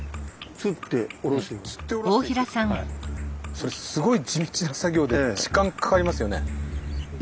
それすごい地道な作業で時間かかりますよね？